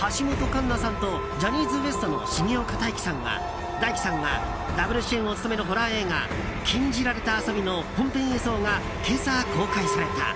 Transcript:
橋本環奈さんとジャニーズＷＥＳＴの重岡大毅さんがダブル主演を務めるホラー映画「禁じられた遊び」の本編映像が今朝公開された。